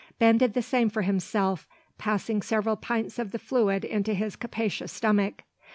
Ben did the same for himself, passing several pints of the fluid into his capacious stomach.